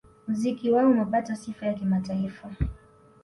Muziki wao umepata sifa ya kimataifa